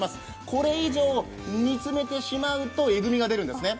これ以上、煮詰めてしまうとえぐみが出るんですね。